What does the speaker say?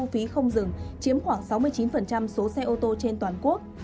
phí không dừng chiếm khoảng sáu mươi chín số xe ô tô trên toàn quốc